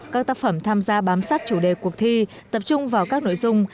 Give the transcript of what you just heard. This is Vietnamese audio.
các tác phẩm tham gia bám sát chủ đề cuộc thi tập trung vào các nội dung